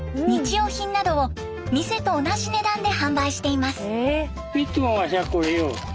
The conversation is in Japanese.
用品などを店と同じ値段で販売しています。